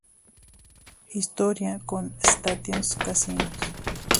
Historia con Station Casinos.